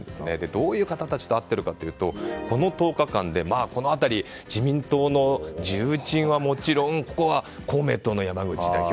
どういう方たちと会っているかというとこの１０日間で自民党の重鎮はもちろんここは公明党の山口代表。